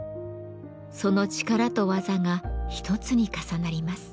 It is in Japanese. その力と技が一つに重なります。